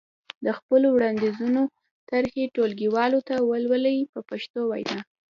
د خپلو وړاندیزونو طرحې ټولګیوالو ته ولولئ په پښتو وینا.